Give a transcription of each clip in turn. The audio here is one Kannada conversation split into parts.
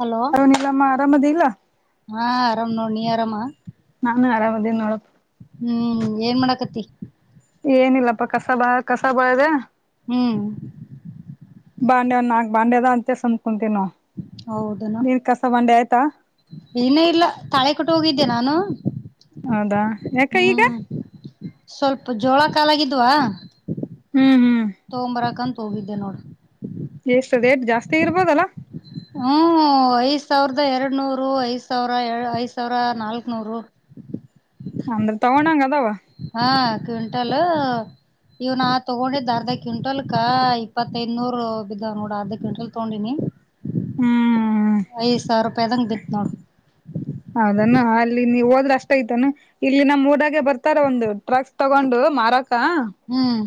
ಹಲೋ ಅರುಣ್ ಇಲ್ಲಮ್ಮ ಆರಾಮದಿ ಇಲ್ಲೋ. ಹಾ ಆರಾಮ್ ನೋಡ್ ನೀ ಆರಾಮ. ನಾನು ಆರಾಮದೀನ್ ನೋಡು. ಹ್ಮ್ ಏನ್ ಮಾಡಾಕತ್ತಿ. ಏನಿಲ್ಲಪ್ಪ ಕಸ ಬಾ ಕಸ ಬಳದೇ. ಹ್ಮ್. ಬಾಂಡ್ಯವ್ ನಾಕ್ ಬಾಂಡ್ಯದ ಅಂತೇ ಸುಮ್ ಕುಂತಿವ್ ನಾವು. ಹೌದನ ನಿಂದ್ ಕಸ ಬಾಂಡೆ ಆಯ್ತಾ ಇನ್ನ ಇಲ್ಲ ತಾಳೆ ಕಟ್ಟು ಹೋಗಿದ್ ದ್ದೆ ನಾನು. ಹೌದಾ ಯಾಕ ಈಗ. ಹ್ಮ್ ಸ್ವಲ್ಪ ಜೋಳ ಕಾಲಾಗಿದ್ದವ. ಹ್ಮ್ ಹ್ಮ್. ಹೋಗಿದ್ದೆ ನೋಡ್. ಎಷ್ಟು ರೇಟ್ ಜಾಸ್ತಿ ಇರ್ಬೋದಲ್ಲ. ಹೂಂ ಐದ್ ಸಾವಿರದ ಎರಡ್ನೂರು ಐದ್ ಸಾವಿರ ಐದ್ ಸಾವಿರ ನಾಲ್ಕ್ನೂರು. [inaudible] ಅಂದ್ರ ತಗೊಂಡಂಗ. ಹಾ ಕ್ವಿಂಟಲಾ. ಇವ್ ನಾ ತಗೊಂಡಿದ್ ಅರ್ಧ ಕ್ವಿಂಟಲ್ಕ ಇಪ್ಪತ್ತೈದ್ನೂರ್ ಬಿದ್ದಾವ್ ನೋಡ ಅರ್ಧ ಕ್ವಿಂಟಲ್ ತಗೊಂಡಿನಿ. [inaudible] ಹ್ಮ್. ಐದು ಸಾವಿರ ರೂಪಾಯಿದಂಗ್ ಬಿತ್ತು ನೋಡು. ಹೌದೇನ ಅಲ್ಲಿ ನೀವು ಹೋದ್ರ ಅಷ್ಟ ಐತೇನ ಇಲ್ಲಿ ನಮ್ ಊರಾಗೆ ಬರ್ತಾರ ಒಂದು ಟ್ರಕ್ಸ್ ತಗೊಂಡು ಮಾರಕ್ ಹ್ಮ್.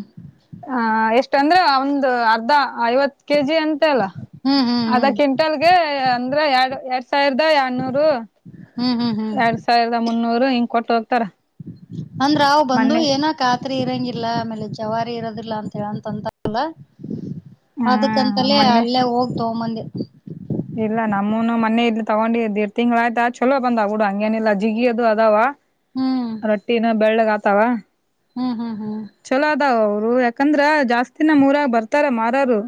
ಹಾ ಎಷ್ಟ್ ಅಂದ್ರೆ ಒಂದು ಅರ್ಧ ಐವತ್ ಕೆಜಿ ಅಂತೆವಲ್ಲ ಹ್ಮ್ ಹ್ಮ್ ಹ್ಮ್ ಅರ್ಧ ಕ್ವಿಂಟಲ್ಗೆ ಅಂದ್ರೆ ಎರ್ಡ್ ಎರ್ಡ್ ಸಾವಿರದ ಎಡ್ನೂರು ಹ್ಮ್ ಹ್ಮ್ ಹ್ಮ್ ಎರಡ್ ಸಾವಿರದ ಮುನ್ನೂರು ಹಿಂಗ್ ಕೊಟ್ಟ್ ಹೋಗ್ತಾರ. ಅಂದ್ರ ಅವ ಬಂದು ಮೊನ್ನೆ ಏನಕ ರಾತ್ರಿ ಇರಂಗಿಲ್ಲ ಆಮೇಲೆ ಜವಾರಿ ಇರೋದಿಲ್ಲ ಅಂತ ಹೇಳಂತಂತಲ್ಲ. ಹ್ಮ್ ಅದಕ್ಕಂತಲೇ ಮೊನ್ನೆ ಅಲ್ಲೇ ಹೋಗ್ ತೊಂಬಂದೆ. ಇಲ್ಲ ನಮ್ಮೂನು ಮನ್ನೆ ಇಲ್ಲಿ ತಗೊಂಡ್ ದೆರಡ್ ತಿಂಗ್ಳ್ ಆಯ್ತಾ ಚಲೋ ಬಂದ ಹಂಗೇನಿಲ್ಲ ಜಿಗಿ ಅದು ಅದಾವ. ಹ್ಮ್ ರೊಟ್ಟಿನ ಬೆಳ್ಳಗ್ ಆತಾವ. ಹ್ಮ್ ಹ್ಮ್ ಹ್ಮ್. ಒಹ್ ಯಾಕಂದ್ರ ಜಾಸ್ತಿನ ನಮ್ಮೂರಾಗ ಬರ್ತಾರ ಮಾರೋರು.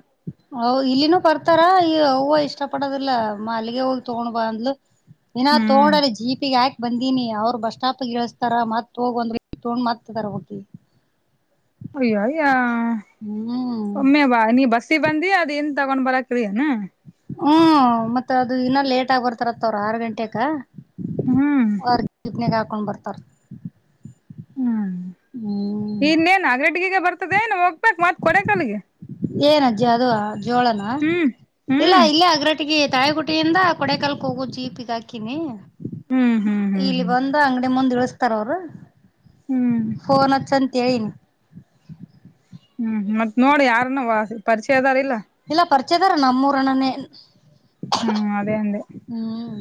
ಹೌ ಇಲ್ಲಿನೂ ಬರ್ತಾರಾ ಈ ಅವ್ವ ಇಷ್ಟ ಪಡೋದಿಲ್ಲ ಮಾ ಅಲ್ಲಿಗೆ ಹೋಗಿ ತಗೊಂಡ್ ಬಾ ಅಂದ್ಲು. ಏನಾರ್ ಹ್ಮ್ ತಗೊಂಡ್ ಅಲ್ಲಿ ಜೀಪಿಗ್ ಹಾಕ್ ಬಂದೀನಿ ಅವ್ರು ಬಸ್ ಸ್ಟಾಪ್ಗ್ ಇಳ್ಸ್ತಾರ ಮತ್ ಹೋಗ್ ಒಂದ್ ವ್ಯಕ್ತಿ ತಗೊಂಡ್ ಮತ್ತ್ ತರ್ಬೇಕಿ. ಅಯ್ಯೋಯ್ಯೋ ಹ್ಮ್ ಒಮ್ಮೆ ಬಾ ನೀ ಬಸ್ ಬಂದಿ ಅದ ನ್ ತಗೊಂಡ್ ಬರಕ್ರೀನು ಹ್ಮ್ ಮತ್ತ್ ಅದು ಇನ್ನ ಲೇಟ್ ಆಗ್ ಬರ್ತಾರತ್ತ ಅವ್ರು ಆರ್ ಗಂಟೆಕ. ಹ್ಮ್ ಅರ್ಧ ದಪನೆ ಕಕಣ ಬರ್ತ ಹ್ಮ್ ಇನ್ನೇನ್ ಅಾಗಡ್ಗಗೆ ಬರ್ತದೆೇ ನೋಗ ಏನಜ್ಜಿ ಅದು ಜೋಳನ ಹ್ಮ್ ಇಲ್ಲ ಹ್ಮ್ ಇಲ್ಲೇ ಅಗ್ರಟ್ ಟ್ಟಿಗೆ ತಳೆಗುಟ್ಟಿಯಿಂದ ಕೊಡೆಕಲ್ಕ್ ಹೋಗೋ ಜೀಪಿಗ್ ಹಾಕಿನಿ. ಹ್ಮ್ ಹ್ಮ್ ಹ್ಮ್ ಇಲ್ಲಿ ಹ್ಮ್ ಬಂದ ಅಂಗಡಿ ಮುಂದ ಇಳ್ಸ್ತಾರ ಅವರು ಹ್ಮ್ ಫೋನ್ ಹಚ್ಚಂದ್ [unintelligible] ಹ್ಮ್ ಮತ್ ನೋಡಿ ಯಾರನ್ನು ಪರಿಚಯದಾರ ಇಲ್ಲ. ಇಲ್ಲ ಪರಿಚಯದಾರ ನಮ್ಮೂರಣ್ಣನೇ ಹ್ಮ್.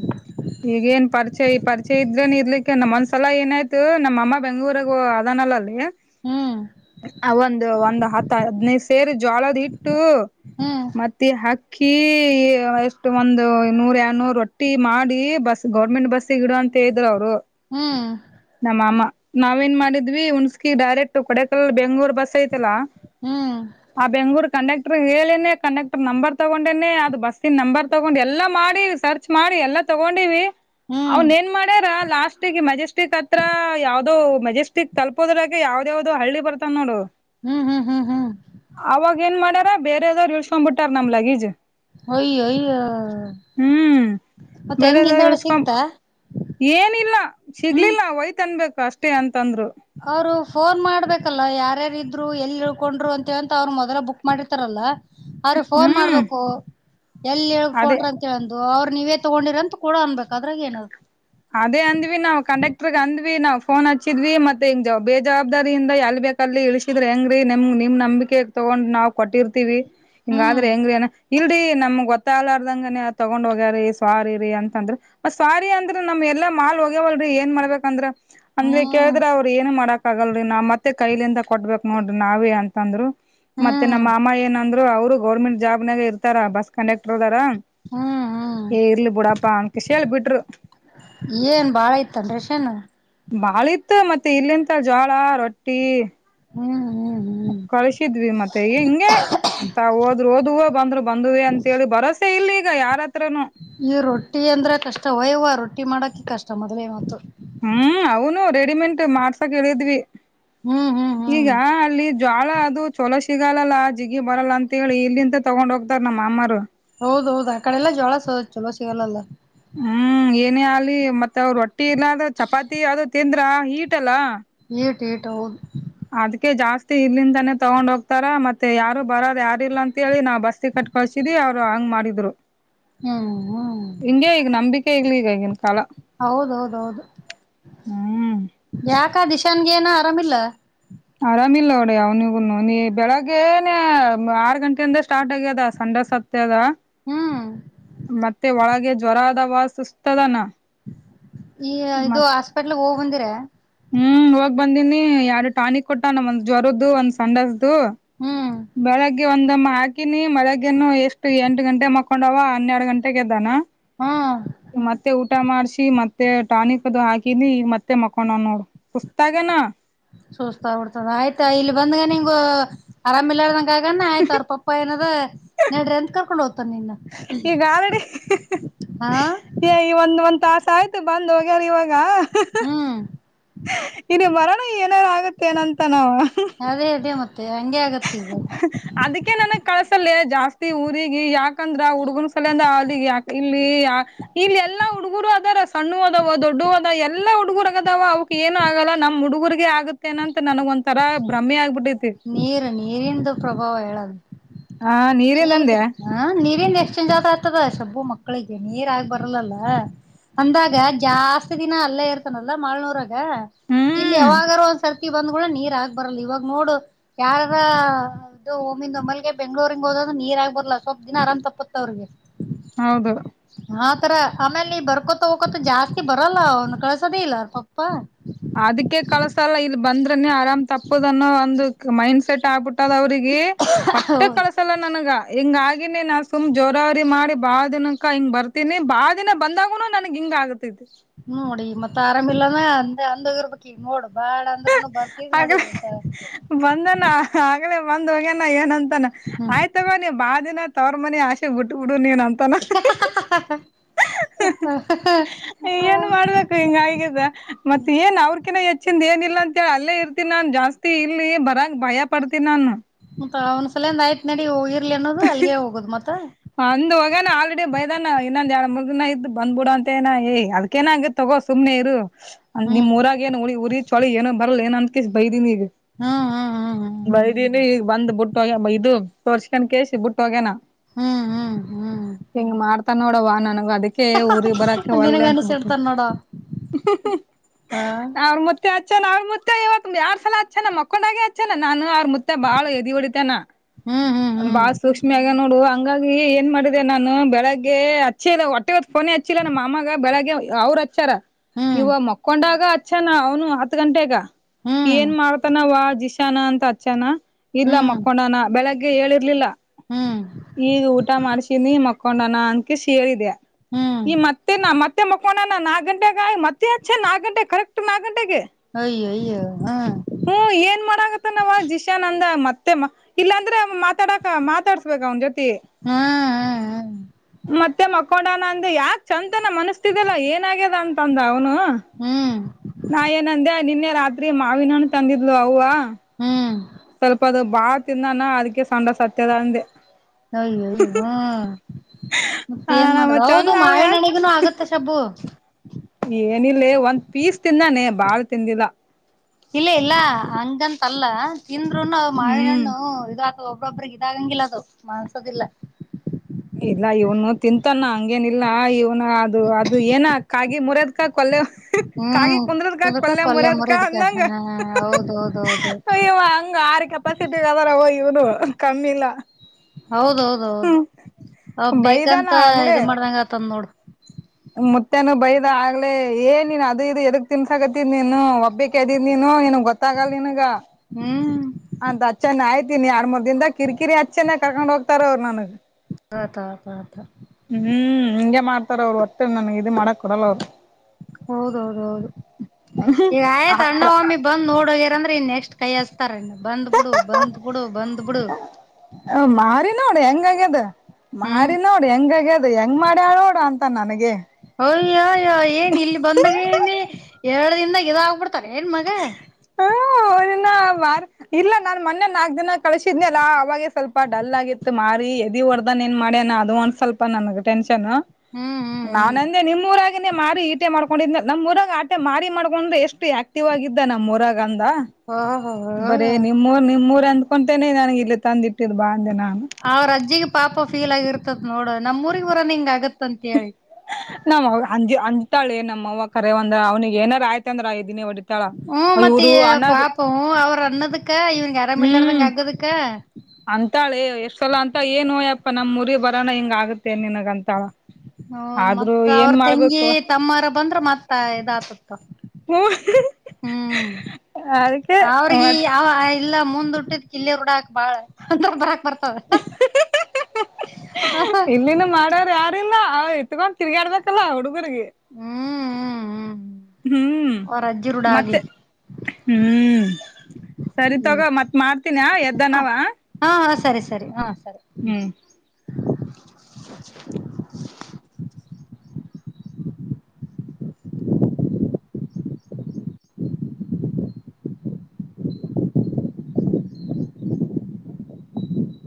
ಈಗೇಏನ್ ಪರಿಚಯ ಪರಿಚಯ ಇದ್ರೇನ್ ಇರ್ಲಿಕ್ಕೆ ನಮ್ಮೊಂದ್ಸಲ ಏನಾಯ್ತು ನಮ್ಮಅಮ್ಮ ಬೆಂಗ್ೂರಗ ಅದ. ನಲ್ಲಾಾಲೇ. ಹ್ಮ್. ಅವ ಒಂದ್ ಒಂದ್ ಹತ್ತ ಹದ್ನೈದು ಸೇರಿ ಜೋಳದ ಇಟ್ಟು ಹ್ಮ್ ಮತ್ತೆ ಹಾಕಿ. ಕೀ ಎಷ್ಟು ಒಂದು ನೂರ್ ಎರಡ್ನೂರು ರೊಟ್ಟಿ ಮಾಡಿ. ನೋಡಿ ಬಸ್ ಗೌರ್ಮೆಂಟ್ ಬಸ್ಗಿಡ ಅಂತ ಹೇಳಿದರು ಅವರು. ಹ್ಮ್ ನಮ್ಮ ಮಾಮ ನಾವೇನ್ ಮಾಡಿದ್ವಿ ಹನ್ಸ್ಕಿ ಡೈರೆಕ್ಟ್ ಕೊಡಕಾಲ ಬೆಂಗ್ಳೂರ್ ಬಸ್ ಅಯೈತಲಾ. ಹ್ಮ್. ಕಂಡಕ್ಟರ್ ಹೇಳೇನೆ ಕಂಡಕ್ಟರ್ ನಂಬರ್ ತಗೊಂಡೇನೆ ಅದು ಬಸ್ಸಿನ ನಂಬರ್ ತಗೊಂಡು ಎಲ್ಲ ಮಾಡಿ ಸರ್ಚ್ ಮಾಡಿ. ಎಲ್ಲ ತಗೊಂಡಿವಿ ಹ್ಮ್ ಅವನ್ ಏನ್ ಮಾಡ್ಯಾರ ಲಾಸ್ಟ್ಗೆ ಮಜೆಸ್ಟಿಕ್ ಹತ್ರ. ಹತ್ರ ಯಾವ್ದೋ ಮೆಜೆಸ್ಟಿಕ್ ತಲುಪೋದ್ರಾಗೆ ಯಾವ್ದ ಯಾವ್ದು ಹಳ್ಳಿ ಬರ್ತಾವ ನೋಡು. ಹ್ಮ್ ಹ್ಮ್ ಹ್ಮ್ ಹ್ಮ್. ಾರ ಬೇರೆದಾದ್ರು ಇಳ್ಸ್ಕೊಂಡ್ ಬಿಟ್ಟ ನ್ ಲಗೇಜ್. ಅಯ್ಯೋ ಅಯ್ಯೋ ಯ ಹ್ಮ್ ಮತ್ತೆ ಬೇರೆದವ್ರು ಹೆಂಗಗೆಿಂದಳ ಇಳ್ಸ್ಕೊಂಡ್ ಸಿಕ್ತಾ. ಏನಿಲ್ಲ ಹ್ಮ್ ಸಿಗ್ಲಿಲ್ಲ ಒಯ್ತ ಅನ್ಬೇಕು ಅಷ್ಟೇ ಅಂತಂದ್ರು. ಅವ್ರು ಫೋನ್ ಮಾಡ್ಬೇಕಲ್ಲ ಯಾರ್ಯಾರ ಇದ್ರು ಎಲ್ಲಿ ಇಳ್ಕೊಂಡ್ರು ಅಂತಂತ ಅವ್ರು ಮೊದಲ ಬುಕ್ ಮಾಡಿರ್ತಾರಲ್ಲ. ಅವ್ರೆ ಫೋನ್ ಹ್ಮ್ ಮಾಡ್ಬೇಕು ಎಲ್ಲಿ ಅದೇ ಹೇಕೊಂಡ್ರ ಅಂತೇಳ. ಅದು ಅವ್ರು ನೀವೇ ತಗೊಂಡಿರ ಅಂತ ಕೂಡ ಅನ್ಬೇಕಕ್ ಆದ್ರಗ ಏನ್ ಅದ. ಅದೇ ಅಂದ್ವಿ ನಾವವು ಕಂಡಕ್ಟರ್ ಅಂದ್ವಿ ನಾವ್ ಫೋನ್ ಹಚ್ಚಿದ್ವಿ ಮತ್ತೆ ಹಿಂಗ ಬೇಜವಾಬ್ದಾರಿಯಿಂದ ಎಲ್. ಬೇಕ ಅಲ್ಲಿ ಇಳಿಸಿದ್ರೆ ಹೆಂಗ್ರೀ ನಿಮ್ ನಿಮ್ ನಂಬಿಕೆ ತಗೊಂಡ್ ನಾವ್ ಕೊಟ್ಟಿರ್ತಿೀವಿ ಹ್ಮ್ ಹಿಂಗಾದ್ರೆ ಹೆಂಗ್ರೀ. ಇಲ್ರಿ ನಮ್ಗ್ ಗೊತ್ತಾಗಲಾರದಂಗನ ತಗೊಂಡ್ ಹೋಗ್ಯಾರೀ ಸ್ವಾರಿ ರರಿ ಅಂತಂದ್ರ ಮತ್ತ ಸ್ವಾರಿ ಅಂತ. ್ರ ನಮ್ ಎಲ್ಲಾ ಮಾಲ್ ಹೋಗ್ಯವಲ್ರಿ ಏನ್ ಮಾಡಬೇಕ ಅಂದ್ರ ಅಂದ್ರೆ ಹ್ಮ್ ಕೇಳಿದ್ರ ಅವ್ರರು ಏನ್ ಮಾಡಕ್. ಆಗಲ್ರಿ ನಾ್ ಮತ್ತೆ ಕೈಲಿಂದ ಕೊಟ್ಬೇಕೇಕ್ ನೋಡ್ರಿ ನಾವೇ ಅಂತಂದ್ರು ಮತ್ತೆ ಹ್ಮ್ ನಮ್ಮ ಅಮ್ಮ ಏನಂದ್ರು. ಅವ್ರು ಗೌರ್ಮೆಂಟ್ ಜಾಬ್ನಾಗ ಇರ್ತಾರ ಬಸ್ ಕಂಡಕ್ಟರ್ದಾರ. ಹ್ಮ್ ಹ್ಮ್ ಏ ಇರ್ಲಿ ಬಿುಡಾಪ್ಪಾ ಅನ್ಕಷೇಳ್ ಬಿಿಟ್ರು. ಏನ್ ಭಾಳ ಐತನ್ರಿಷನ್. ಬಾಳ ಇತ್ತು ಮತ್ತೆ ಇಲ್ಲಿಂತ ಜೋಳ ರೊಟ್ಟಿ. ಹ್ಮ್ ಹ್ಮ್ ಹ್ಮ್. ಕಳಸಿದ್ವಿ ಮತ್ತೆ ಹಿಂಗೆ ತಾ ಹೋದ್ರು ಓದುವ ಬಂದ್ರು ಬಂದುವೇ ಅಂತೇಳಿ ಭರೋಸೆ ಇಲ್ಲಿ. ಈಗ ಯಾರತ್ರ. ಈ ರೊಟ್ಟಿ ಅಂದ್ರೆ ಕಷ್ಟ ವಯ್ವ ರೊಟ್ಟಿ ಮಾಡಕ ಕಷ್ಟ ಮೊದ್ಲೇವತ್ತು. ಹ್ಮ್ ಅವನು ರೆಡಿಮೆಂಟ್ ಮಾಡ್ಸಕ್ ಹೇಳಿದ್ವಿ ಹ್ಮ್ ಹ್ಮ್ ಹ್ಮ್ ಈಗ ಅಲ್ಲಿ. ಜಳ ಅದು ಛಲೋ ಸಿಗಾಲಲ್ಲ ಆ ಜಿಗಿ ಬರಲ್ಲ ಅಂತ ಹೇಳಿ ಇಲ್ಲಿಂತ ತಗೊಂಡ್ ಹೋಗ್ತಾರ ನಮ್ಮ ಮಾಮ್ಮರು. ಹೌದ ಹೌದು ಆ ಕಡೆಲ್ಲ ಜಳ ಚಲೋ ಸಿಗಲ್ಲಲ. ಹ್ಮ್ ಏನೇ ಆಲಿ ಮತ್ತ ಅವರು ರೊಟ್ಟಿಲ್ಲಾದ ಚಪಾತಿ ಅದು ತಿಂದ್ರ ಹೀಟ ಅಲ್ಲ. ೇ ೇಟ ಹೌದು. ಅದ್ಕ್ಕೆ ಜಾಸ್ತಿ ಇಲ್ಲಿಂದಾನೇ ತಗೊಂಡ್ ಹೋಗ್ತಾರ ಮತ್ತೆ ಯಾರು ಬರದ ಯಾರಿಲ್ಲ ಅಂತಿ ನಾವ್ ಬಸ್ತಿ ಕಟ್ಟ. ಕಸಿದಿ ಅವ್ರು ಹಂಗ ಮಾಡಿದ್ರು. ಹ್ಮ್ ಹ್ಮ್. ಹೇಗ್ಲಿ ಈಗಗಿನ ಕಾಲ. ಹೌದೌದೌದು ಹ್ಮ್ ನೀ ಏನ ಆರಾಮಿಲ್ಲ. ಆರಾಮ ಇಿಲ್ಲ ನೋಡಿ ಅವ್ನಿಗೂನು ನೀ ಬೆಳಗ್ಗೆನೆ ಆರ್ ಗಂಟೆ ಅಂದ ಸ್ಟಾರ್ಟ್ ಆಗ್ಯದ ಸಂಜೆ. ಸತ್ಯದ ಹ್ಮ್ ಮತ್ತೆ ಒಳಗೆ ಜ್ವರ ಅದ ವ ಸುಸ್ತದನ. ಈ ಇದು ಮತ್ ಹಾಸ್ಪಿಟ್ಲ್ಗ್ ಹೋಗ್ ಬಂದಿರ. ಹ್ಮ್ ಹೋಗ್ ಬಂದೀಿನಿ ಯಾರು ಟಾಣಿಕ್ ಕೊಟ್ಟ ನಮ್ ಒಂದ್ ಜ್ವರದ್ದು ಒಂದ್ ಸಂಡಸ್ದು. ಹ್ಮ್ ಬೆಳಗ್ಗೆ ಒಂದಮ್ಮ ಹಾಕಿನಿ ಮಳಗ್ಗೆನು ಎಷ್ಟು ಎಂಟು ಗಂಟೆ ಮಕೊಂಡವ ಹನ್ನೆರಡು ಗಂಟೆಗೆದ್ದಾನ. ಹ್ಮ್ ಮತ್ತೆ ಊಟ್ಟ. ಊಟ ಮಾಡಸಿ ಮತ್ತೆ ಟಾನಿಕ್ದು ಹಾಕಿನಿ ಮತ್ತೆ ಮಕೊಂಡ ನೋಡು ಸುಸ್ತಾಗ್ಯಾನ್. ಸೂಸ್ತಾ ಬಿಡ್ತದ ಆಯ್ತಾ ಇಲ್ಲಿ ಬಂದಗ ನಿಂಗ ಆರಾಮ ಇಲ್ಲಾರ್ದ್ ಕಗನೇ ಆಯ್ತ್ ಅವ್ರ್ ಪಪ್ಪಾ ಏನಾರ್ ನೆಡ್ರೆ ಅಂತ ಕರ್ಕೊಂಡು ಹೊ ಈಗ್ ಆಲೆಡಿ ಹಾ ಏಯ್ ಒಂದ್ ಒಂದ್ ತಾಸ್. ಆಯ್ತು ಬಂದ್ ಹೋಗ್ಯಾರ್ ಇವಾಗ. ಹ್ಮ್ ಇಲ್ಲಿ ಮರಣ ಏನಾರು ಆಗುತ್ತೆ ಏನಂತ ನಾವು. ಅದೇ ಅದೇ ಮತ್ತೆ ಹಂಗೆ ಆಗತ್ತ ಈಗ ಅದಿಕೆ ನನಗ್ ಕಳಸಲ್ಲೆ ಜಾಸ್ತಿ ಊರಿಗೆ ಯಾಕಂದ್ರ ಹುಡುಗನ ಸಲ ಅಂದ ಅ ಯಾ ಇಲ್ಲಿ ಇಲ್ಲಿ ಎಲ್ಲಾ ಹುಡುಗರು ಅದರ ಸ್ ಸಣ್ಣುವದವ ದೊಡ್ಡುವದ ಎಲ್ಲ. ಹುಡುಗುರಗ ಅದಾವ ಅವಕ್ ಏನು ಆಗಲ್ಲ ನಮ್ಮ ಹುಡುಗುರಿಗೆ ಆಗುತ್ತೇನಂತ ನನಗ ಒಂಥರ ಭ್ರಮೆ ಆಗ್ಬಿಟ್ಟ್ ನೀರ್ ನೀರಿಂದು ಪ್ರಭಾವ ಹೇಳದು ಹಾ ನೀರ್ ನೀರಿಂದಂದೆ ಹ ನೀರಿಂದ್ ನೀರ್ ಚೆಂಜ್ ಆದಾತದ ಸ್ವಲ್ಪ ಮಕ್ಕಳಿಗೆ ನೀರ್ ಆಗ್ ಬರಲಲ್ಲ. ಅಂದಾಗ ಜಾಸ್ತಿ ದಿನ ಅಲ್ಲೇ ಇರ್ತಾನಲ್ಲ ಮಾಲ್ನೋರಗ್. ಇಲ್ಲಿ ಯಾವಾಗರೂ ಒಂದ್ ಸರ್ತಿ ಬಂದ್ ಕೂಡ ನೀರ್ ಆಗ್ ಬರಲ್ಲ ಇವಾಗ್ ನೋಡು. ಯಾರಾರ ಇದು ಒಮ್ಮಿಂದ ಒಮ್ಮಲ್ಗೆ ಬೆಂಗ್ಳೂರಿ ಹೋದ್ರೆ ನೀರ್ ಆಗ್ಬರಲ್ಲಾ ಸ್ವಲ್ಪ ದಿನ ಆರಾಮ್ ತಪ್ಪುತ್ ಅವ್ರ್ಗೆ. [inaudible] ಹೌದು ಆತರ ಆಮೇಲೆ ನೀ ಬರ್ಕೊತ ಹೋಗಕೊತ ಜಾಸ್ತಿ ಬರಲ್ಲ ಅವನು ಕಳ್ಸೋದ ಇಲ್ಲ ಅವ್ರ್ ಪಪ್ಪ. ಅದಕ್ಕೆ ಕಳಸಲ್ಲ ಇಲ್ ಬಂದ್ರನೆ ಆರಾಮ್ ತಪ್ಪದನ್ನೋ ಒಂದ ಮೈಂಡ್ ಸೆಟ್ ಆಗ್ಬಿಟ್ ಟ್ಟದ ಅವ್ರಿಗೆ ಒಟ್ಟೆ ಕಳ್ಸಲ್ಲ ನನಗ. ಹಿಂಗ ಆಗಿನಿ ನಾ ಸುಮ್ ಜೋರಾವರಿ ಮಾಡಿ ಬಾಳ ದಿನಕ್ಕ ಹಿಂಗ್ ಬರ್ತೀನಿ ಬಾಳ ದಿನ ಬಂದಾಗನು ನನ್ಗ್ ಹಿಂಗ್ ಹಿಂಗ್ ಆಗುತೈತಿ. ಆರಾಮ ಇಲ್ಲಾನ ಅಂದ ಅಂದೋಗಿರ್ಬೇಕ್ ಈಗ್ ನೋಡ. ಆ ಬಂದಾನ ಆಗ್ಲೆ ಬಂದ್ ಹೋಗ್ಯನ ಏನ ಅಂತಾನ ಹ್ಮ್ ಆಯ್ತ್ ತಗೋ ನೀವು ಬಾಳ ದಿನ ತೊರ್ ಮನಿ ಆಸೆ ಬಿಟ್ಬ್ಬಿಡು. ಡು ನೀನ್ ಅಂತಾನ. ಏನ್ ಮಾಡ್ಬೇಕು ಹಿಂಗ್ ಆಗಿದ ಮತ್ತೆ ಏನ್ ಅವ್ರ್ಕಿನ ಹೆಚ್ಚ್ ಚಿಂದ್ ಏನಿಲ್ಲ ಅಂತೇಳಿ ಅಲ್ಲೇ ಇರ್ತಿನಿ ನಾನು ಜಾಸ್ತಿ ಇಲ್ಲಿ ಬರಂಗ್ ಭಯ ಪಡ್ತೀನಿ ನಾನು. ಮತ್ತ ಅವ್ನ ಸಲಯಂದ ಆಯ್ತ್ ನಡಿ ಇರ್ಲಿ ಅನ್ನೋದು ಅಲ್ಲಿಗೆ ಹೋಗೋದು ಮತ. ಅಂದ್ ಹೋಗನ ಆಲ್ರೆಡಿ ಬೈದಾನ ಇನ್ನೊಂದ ಎರಡ್ ಮೂರ್ ದಿನ ಇದ್ ಬಂದ್ಬ್ ಬಿಡು ಅಂತೆನ ಏ ಅದಕೇನ ಹಂಗ ತಗೋ. ಸುಮ್ನೆ ಇರು ನಿಮ್ ಹ್ಮ್ ಊರಾಗ್ ಏನು ಉ ಉಊರಿ ಚಳಿ ಏನೋ ಬರಲ್ಲ ಏ ಅಂತಕ ಬೈದೀನಿ ಈಗ. ಹ್ಮ್ ಹ್ಮ್ ಹ್ಮ್ ಬೈದಿನಿ ಈಗ್ ಬಂದ್ ಬುಟ್ಟ ಹೋಗ ಇದು ತೋರ್ಸ್ಕೊಂಡ ಕೇಳಸಿ ಬುಟ್ಟ ಹೋಗ್ಯನ. ಹ್ಮ್ ಹ್ಮ್ ಹ್ಮ್ ಹ್ಮ್ ಹಿಂಗ್ ಮಾಡ್ತಾನೋಡವ ನನಾ ಗ್ ಅದಕ್ಕೆ ಊರಿಗ್ ಬರಕೆ ಹ್ಮ್ ಒಲ್ಲೆ ನಿನಗ ಅಂತ ಬಿರ್ತಿನಿ. ಅನಿಸಿಡ್ತಾರ ನೋಡ ಹ ಅವ್ರ್ ಮತ್ತೆ ಆ ಅವ್ರ್ ಮುತ್ತೆ ಇವಾಗ ಯಾರ್ ಸಲ ಅಚ್ಚನ ಮಕ್ಕೊಂಡಾಗೆ ಹಚ್ಚನ ನಾನು ಅವ್ರ ಮುತ್ತೆ ಬಾಳ ಎದಿ ಹೊಡಿತನ. ಹ್ಮ್ ಹ್ಮ್ ಬಾಳ್ ಸೂಕ್ಷ್ಮೆಆಗ್ಯಾನ್ ನೋಡು ಹಂಗಾಗಿ ಏನ್ ಮಾಡಿದೆ ನಾನು ಬೆಳಗ್ಗೆ ಅಚ್ಚಿದೆ ಹೊಟ್ಟೆ ಫೋನೆ ಹಚ್ಚಿಲ್ಲ ನಮ್ಮ ಮಾಮ್ಮಾಗ ಬೆಳಗ್ಗೆ ಅವ್ರೆ ಹಚ್ಚಾರ ಹ್ಮ್ ನೀವ್ ಮಕ್ಕೊಂಡಾಗ. ಅಚ್ಚಾನ ಅವ್ನು ಹತ್ ಗಂಟೆಗ ಹ್ಮ್ ಏನ್ ಮಾಡ್ತಾನವ ಜೀಶಾನ ಅಂತ ಅಚ್ಚಾನ. ಇಲ್ಲ ಹ್ಮ್ ಹ್ಮ್ ಮಕ್ಕೊಂಡನ ಬೆಳಗ್ಗೆ ಹೇಳಿರ್ಲಿಲ್ಲ ಹ್ಮ್ ಈಗ ಊಟ ಮಾಡ್ಸಿನಿ ಮಕ್ಕ್ ಕೊಂಡಾನ ಅನ್ಕಿಸಿ ಹೇಳಿದೆ ಹ್ಮ್ ಈ ಮತ್ತೆ ನಮ್ ಮತ್ತೆ ಮಕೋಂಡ್ಯಾನ ನಾಕ್ ಗಂಟೆಗ ಮತ್ತೆಚ್ಚ ನಾಕ್ ಗಂಟೆ ಕರೆಕ್ಟ್ ನಾಕ್ ಗಂಟೆಗೆ. ಅಯ್ಯಯ್ಯ ಹ್ಮ್ ಏನ್ ಮಾಡಾಗತ್ತ ನವ ಜಿಶಾನ್ ಅಂದ ಮತ್ತ್. ಮತ್ತೆಮ್ಮ ಇಲ್ಲಾಂದ್ರೆ ಮಾತಾಡಾ ಮಾತಾಡ್ಸ್ಬೇಕ ಅವನ್ ಜೊತೆ. ಹ್ಮ್ ಹಾ ಮತ್ತೆ ಮಕ್ಕೊಂಡನ ಅಂದ ಯಾಕ ಚಂತನ ಮನಸ್ತಿದಲ್ಲಾ ಏನ್ ಆಗ್ಯದ ಅಂತಂದ ಅವ್ನು. ಹ್ಮ್ ಹ್ಮ್ ನಾ ಏನಂದೆ ನಿನ್ನೆ ರಾತ್ರಿ ಮಾವಿನಣ್ ತಂದಿದ್ಲು ಅವ್ವ. ಹ್ಮ್ ಸ್ವಲ್ಪ ಅದು ಬಾಳ ತಿಂದಾನ ಅದಕ್ಕೆ ಸಂಡ ಸತ್ಯದ ಅಂದೆ. ಹಯಯ ಹಾ [inaudible] ಮತ್ತೆ ಆ ಏನ್ ನಮ್ಮ ಮಾಡುದ ಹೌದು ಚಂದ ಅವ ಯಾಕ ಮಾವಿನಣಗನ ಆಗತ್ತ ಶಬ್ಬು ಏನಿಲ್ಲ ಒಂದ್ ಪೀಸ್ ತಿಂದಾನೆ ಬಾಳ್ ತಿಂದಿಲ್ಲ ಇಲ್ಲ ಇಲ್ಲ ಹಂಗಂತಲ್ಲ ತಿಂದ್ರುನು ಹ್ಮ್ ಮಾವಿಹಣ್ಣು ಇದು ಒಬ್ಬ್ರೊಬ್ಬ್ರಿಗೆ ಇದಾಗಂಗಿಲ್ಲ ಅದು ಮನ್ಸೋದಿಲ್ಲ ಇಲ್ಲ ಇವನು ತಿಂತಾನ ಹಂಗೇನ ಇಿಲ್ಲ ಇವ್ನ ಅದು ಅದು ಏನ ಕಾಗಿ ಮುರ್ಯದ್ಕ ಕೊಲೆ ಕಾಗಿ ಹ್ಮ್ ಕುಂದರದಕ್ಕಾ ಕುದಕ ಕೊಲ್ಲ ಕೊಲ್ಲೆ ಮುರದಕ್ಕಾ ಮುರಿದಕ ಅಂದಂಗ ಹಾ ಹೌದೌದೌದು ಅಯ್ಯ ಅಂಗ ಆರ್ ಕೆಪಾಸಿಟಿ ದವಾ ರವರ ಇವನು ಕಮ್ಮಿಲ್ಲ. ಹೌದೌದೌದು ಅವ ಬೈದಾನ ಬೇಕಂತ ಇ ಮಾಡ್ದಂಗ ಆ ತಂದ ನೋಡು ಮುತ್ತನು ಬೈದ ಆಗ್ಲೇ ಏನ್ ನೀನ್ ಅದು ಇದು ಎದಗ್ ತಿನ್ಸಕತ್ತಿದ್ ನೀನು ಒಬ್ಬಿಕ್ದಿದ ನೀನು [unintelligible] ಹಾ ಏ ಗೊತ್ತಾಗಲ್ಲ ನನ್ಗ ಹ್ಮ್ ಅಂತ ಅಚ್ಚನ ಆಯ್ತೀನಿ ಆರ ಮೂರ್ ದನ್ದ ಕಿರಿಕಿರಿ ಅಚ್ಚನ್ನ ಕರ್ಕೊಂಡು ಹೋಗ್ತಾರ ಅವ್ರು ನನಗೆ ತ ಕತಾ [unintelligible] ಹ್ಮ್ ಹಿಂಗೆ ಮಾಡ್ತಾರ ಅವರು ಒಟ್ಟ ನನ್ಗೆ ಇ ಮಾಡಕ್ ಕೊಡಲ್ಲ ಅವ್ರು ಹೌದೌದ ಹೌದು ಆಯ್ತ ಅಣ್ಣ ವಮ್ಮಿ ಬಂದ್ ನೋಡೋಗಿರಂದ್ರ ಇನ್ ಎಷ್ಟ್ ಕೈಸ್ತಾರ ಬಂದ್ಬಿಡು ಬಂದ್ ಬಿಡು ಬಂದ್ ಬಿಡು ನೋಡ ಹೆಂಗಗ್ಯದು ಹ್ಮ್ ಮಾರಿ ನೋಡ ಹೆಂಗಗ್ಯದು ಹೆಂಗ್ ಮಾರಿ ಆಡೋಡ್ರ ಅಂತ ನನಗೆ ಅಯ್ಯಯ್ಯ ಏನ್ ಇಲ್ಲಿ ಬಂದಾಗ ಏನ ಎರಡ್ ದನ್ದಾಗ ಇದ ಆಗ್ಬಿಡ್ತಾರ ಏನ್ ಮಗ ಮಾರ್ ಇಲ್ಲ ನಾನ್ ಮೊನ್ನೆ ನಾಕಕ್ ದಿನ ಕಳಸಿದನ ಅಲ್ಲಾ ಅವಾಗೆ ಸ್ವಲ್ಪ ಡಲ್ ಆಗಿತ್ತು ಮಾರಿ ಎದ ಒರ್ದ ಏನ್ ಮಾಡ್ಯನ ಅದು ಒಂದ್ ಸ್ವಲ್ಪ ನನ ೆ [unintelligible] ನ್ ನ ಹ್ಮ್ ಹ್ಮ್ ಹ್ಮ್ ನಾನಂದೆ ನಿಮ್ಮ ಊರಾಗೇನಿ ಮಾಡಿ ಈಟೆ ಮಾಡ್ ಕೊಂಡ ನಮ್ಮ್ಊರಾಗ ಆಟೆ ಮಾರಿ ಮಾಡ್ಕೊಂಡ್ರೆ ಎಷ್ಟು ಆಕ್ಟಿವ್ ಆಗಿದ್ದ ನಮ್ಮ್ಊರಾಗಂದ ಓಹೋ ಬರೇ ನಿಮ್ಮೂರ್ ನಿಮ್ಮೂರ್ ಅಂದಕೊಂತೇನೆ ನನ್ಗೆ ಇಲ್ಲಿ ತಂದ್ ಇಟ್ಟಿದ್ ಬಾ ಅಂದೆ ನಾನು ಅವ್ರ ಅಜ್ಜಿಗೆ ಪಾಪ ಫೀಲ್ ಆಗಿರ್ತತ್ ನೋಡ ನಮ್ ಊರ್ಗ್ ಬರನ್ ಹಿಂಗ್ ಆಗತ್ತ ಅಂತ ಹೇಳಿ ನಮ್ಮ ಅವಗ ಅಂತಾಳೆ ನಮ್ಮ ಅವ್ವ ಕರೆ ಒಂದ ಅವನಿಗೆ ಏನರ ಆಯ್ತ ಅಂದ್ರ ಎದಿನೆ ಓ ಹ್ಮ ಮತ್ತೆ ಪಾಪ ಹ ಅವರು ಅನ್ನದಕ್ಕ ಇವನ್ಗೆ ಯಾರಾಮ ಇಲ್ಲಾರದಂಗ ಹ್ಮ್ ಆಗ್ಗದಕ್ಕ ಅಂತಾಳೆ ಎಷ್ಟ್ ಸಲ ಅಂತ ಏನ್ ಹೋಯ್ಯಪ್ಪಾ ನಮ್ ಮುರಿ ಬರೋಣ ಹಿಂಗ ಆಗುತ್ತೆ ನಿನಗ ಅಂತ ಹ ಮತ್ ಅವ್ರ ತೆಂಗಿ ತಮ್ಮರ ಬಂದ್ರೆ ಮತ್ತ ಇದ ಆತತಿ [unintelligible] ಹ್ಮ ಹ್ಮ್ ಅದಕ್ಕೆ ಅವ್ರಿಗೆ ಮತ್ ಅವ [unintelligible] ಇಲ್ಲ ಮುಂದ್ಟ್ಟಿದ್ ಕಿಲ್ಲಿ ರ್ಡಾಕ್ ಬಾಳ ಬರ್ [unintelligible] ಇಲ್ಲಿನ ಮಾಡೋರು ಯಾರಿಲ್ಲ ಆಯ್ತು ತಗೊಂಡ ತಿರುಗಾಡ್ಬೇಕಲ್ಲ ಹುಡುಗರಿಗೆ ಹ್ಮ್ ಹ್ಮ ಹ್ಮ ಹ್ಮ್ ಮತ್ತೆ ಹ್ಮ್ ಸರಿ ತಗ ಹ್ಮ್ ಮತ್ ಮಾಡ್ತೀನ ಹಾ ಎದ್ದನಾವ ಹಾ ಸರಿ ಸರಿ ಹಾ ಸರಿ ಹ [inaudible]